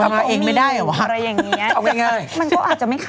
มันก็ไม่มีกุ้งหรอกอะ